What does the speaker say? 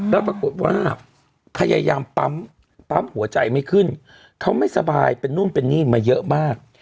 แล้วปรากฏว่าพยายามปั๊มปั๊มหัวใจไม่ขึ้นเขาไม่สบายเป็นนู่นเป็นนี่มาเยอะมาก